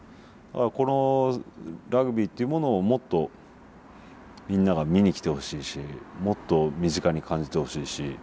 このラグビーというものをもっとみんなが見に来てほしいしもっと身近に感じてほしいし。